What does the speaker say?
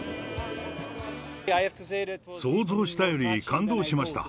想像したより感動しました。